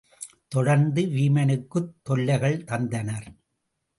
தொடர்ந்து வீமனுக்குத் தொல்லைகள் தந்தனர்.